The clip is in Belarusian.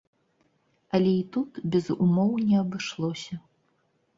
Але і тут без умоў не абышлося.